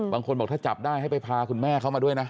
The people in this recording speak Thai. บางคนบอกถ้าจับได้ให้ไปพาคุณแม่เขามาด้วยนะ